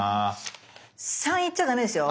３行っちゃダメですよ！